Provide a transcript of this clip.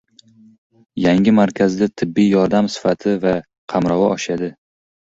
Yangi markazda tibbiy yordam sifati va qamrovi oshadi